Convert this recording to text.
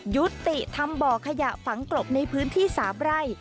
ยุติทำบ่อขยะฝังกลบในพื้นที่๓ไร่